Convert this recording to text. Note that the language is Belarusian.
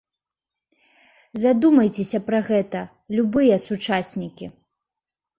Задумайцеся пра гэта, любыя сучаснікі!